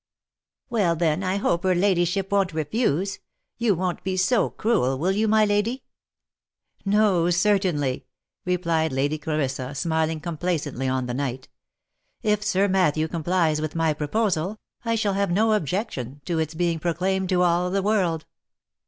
" Well then, I hope her ladyship won't refuse. You won't be so cruel, will you, my lady ?"" No, certainly !" replied Lady Clarissa smiling complacently on the knight. " If Sir Matthew complies with my proposal, I shall have no objection to its being proclaimed to all the world."